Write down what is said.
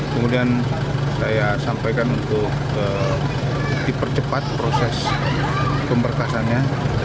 kemudian saya sampaikan untuk dipercepat proses pemberkasannya